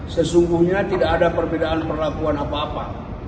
sesungguhnya tidak ada perbedaan perlakuan apa apa